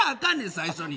最初に。